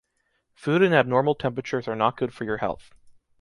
Food in abnormal temperatures are not good for your health.